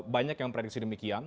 banyak yang prediksi demikian